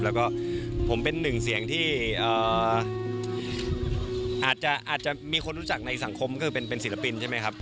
แล้วก็ผมเป็นหนึ่งเสียงที่อาจจะมีคนรู้จักในสังคมก็คือเป็นศิลปินใช่ไหมครับ